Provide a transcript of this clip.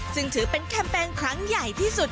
ซึ่งถือเป็นแคมเปญครั้งใหญ่ที่สุด